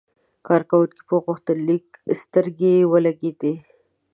کارکونکي په غوښتنلیک سترګې ولګېدې.